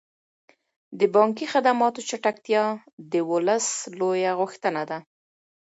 د بانکي خدماتو چټکتیا د ولس لویه غوښتنه ده.